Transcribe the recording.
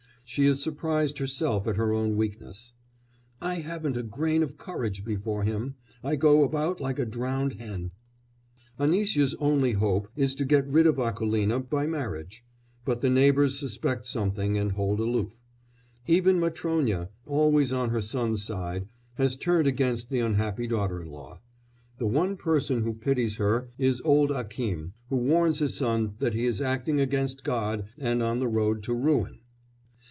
She is surprised herself at her own weakness: "I haven't a grain of courage before him. I go about like a drowned hen." Anisya's only hope is to get rid of Akoulina by marriage, but the neighbours suspect something and hold aloof. Even Matrónya, always on her son's side, has turned against the unhappy daughter in law; the one person who pities her is old Akím, who warns his son that he is acting against God and on the road to ruin.